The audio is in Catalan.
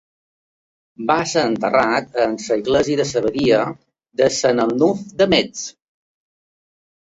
Va ser enterrat en l'església de l'abadia de sant Arnulf de Metz.